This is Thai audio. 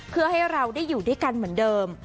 เพื่อให้เราได้อยู่ด้วยกันเหมือนเดิม